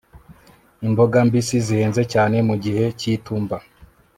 imboga mbisi zihenze cyane mu gihe cy'itumba